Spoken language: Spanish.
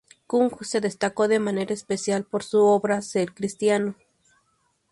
Küng se destacó de manera especial por su obra "Ser cristiano".